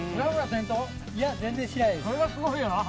それがすごいよな。